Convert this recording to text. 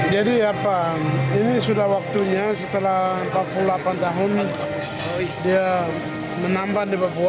jadi apa ini sudah waktunya setelah empat puluh delapan tahun dia menambah di papua